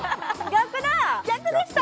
逆でした！